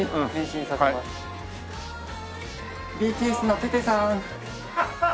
ＢＴＳのテテさん。